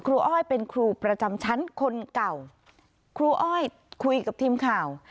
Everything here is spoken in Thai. อ้อยเป็นครูประจำชั้นคนเก่าครูอ้อยคุยกับทีมข่าว